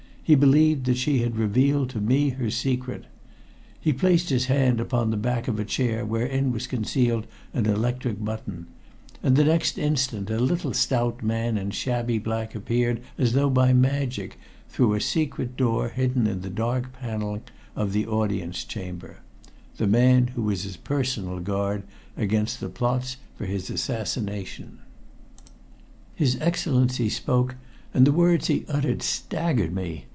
He believed that she had revealed to me her secret. He placed his hand upon the back of a chair wherein was concealed an electric button, and next instant a little stout man in shabby black appeared as though by magic through a secret door hidden in the dark paneling of the audience chamber the man who was his personal guard against the plots for his assassination. His Excellency spoke, and the words he uttered staggered me.